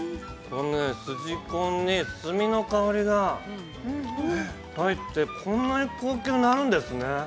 ◆すじこんに炭の香りが入って、こんなに高級になるんですね。